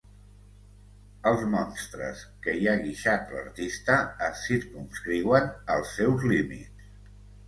Els monstres que hi ha guixat l'artista es circumscriuen als seus límits.